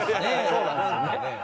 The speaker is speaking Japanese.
そうなんですよね。